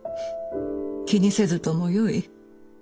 気にせずともよい。